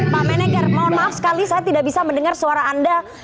pak meneger mohon maaf sekali saya tidak bisa mendengar suara anda